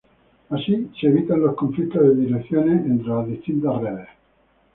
Así se evitan los conflictos de direcciones entre las distintas redes.